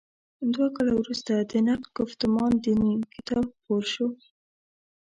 دوه کاله وروسته د «نقد ګفتمان دیني» کتاب خپور شو.